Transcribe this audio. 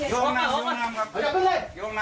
ยกตัวเลย